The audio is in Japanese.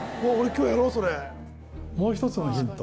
もう一つのヒント